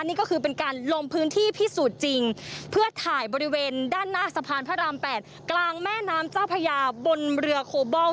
นี่ก็คือเป็นการลงพื้นที่พิสูจน์จริงเพื่อถ่ายบริเวณด้านหน้าสะพานพระราม๘กลางแม่น้ำเจ้าพญาบนเรือโคบอล